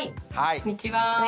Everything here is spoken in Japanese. こんにちは。